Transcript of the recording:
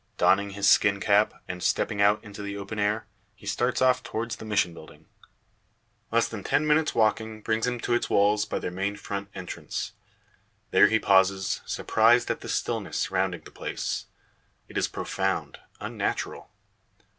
Donning his skin cap, and stepping out into the open air, he starts off towards the mission building. Less than ten minutes' walking brings him to its walls, by their main front entrance. There he pauses, surprised at the stillness surrounding the place. It is profound, unnatural.